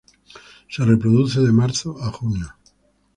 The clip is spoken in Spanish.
Se reproduce de marzo a junio.